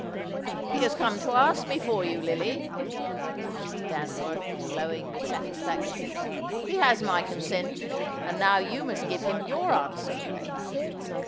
"He has come to ask me for you, Lily," said Mr. Danforth, glowing with satisfaction. "He has my consent, and now you must give him your answer."